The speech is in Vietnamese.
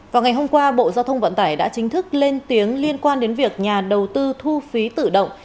vào ngày hôm qua bộ giao thông vận tải đã chính thức lên tiếng liên quan đến việc nhà đầu tư thu phí tự động